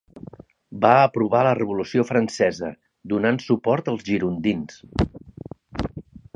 Va aprovar la Revolució francesa, donant suport als girondins.